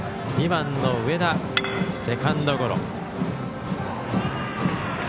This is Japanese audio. ２番の上田、セカンドゴロ。